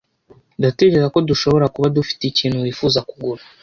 Ndatekereza ko dushobora kuba dufite ikintu wifuza kugura.